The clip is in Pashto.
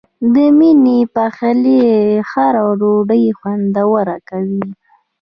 د مینې پخلی هره ډوډۍ خوندوره کوي.